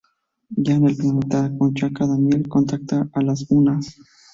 Ya en el planeta con Chaka, Daniel contacta a los Unas.